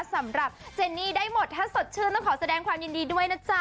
สำหรับเจนนี่ได้หมดถ้าสดชื่นต้องขอแสดงความยินดีด้วยนะจ๊ะ